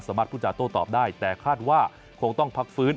พูดจาโต้ตอบได้แต่คาดว่าคงต้องพักฟื้น